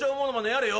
やれよ。